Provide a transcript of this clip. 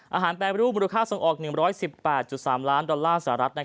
แปรรูปมูลค่าส่งออก๑๑๘๓ล้านดอลลาร์สหรัฐ